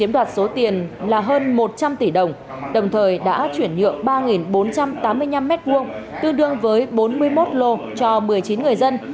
đạt số tiền là hơn một trăm linh tỷ đồng đồng thời đã chuyển nhượng ba bốn trăm tám mươi năm m hai tương đương với bốn mươi một lô cho một mươi chín người dân